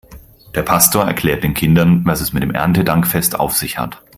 Der Pastor erklärt den Kindern, was es mit dem Erntedankfest auf sich hat.